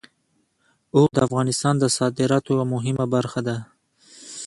اوښ د افغانستان د صادراتو یوه مهمه برخه ده.